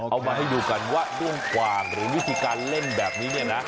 เอามาให้ดูกันว่าด้วงกวางหรือวิธีการเล่นแบบนี้เนี่ยนะ